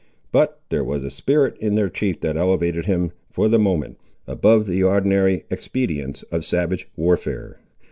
But there was a spirit in their chief that elevated him, for the moment, above the ordinary expedients of savage warfare.